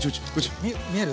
あ見える！